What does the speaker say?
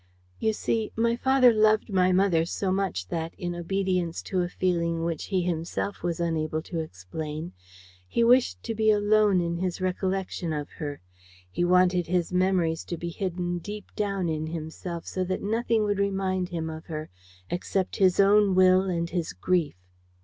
"You see, my father loved my mother so much that, in obedience to a feeling which he himself was unable to explain, he wished to be alone in his recollection of her. He wanted his memories to be hidden deep down in himself, so that nothing would remind him of her except his own will and his grief.